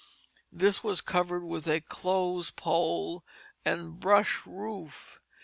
This was covered with a close pole and brush roof.